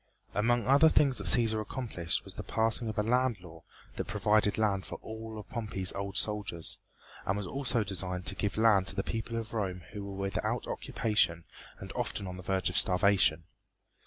Among other things that Cæsar accomplished was the passing of a land law that provided land for all of Pompey's old soldiers, and was also designed to give land to the people at Rome who were without occupation and often on the verge of starvation.